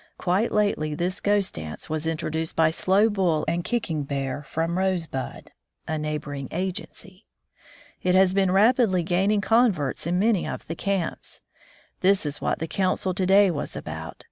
Quite lately this ghost dance was introduced by Slow Bull and Kicking Bear from Rosebud" — a neighboring agency, '^t has been rapidly gaining converts in many of the camps. This is what the council to day was about.